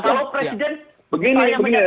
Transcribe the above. kalau presiden saya yang menyatakan itu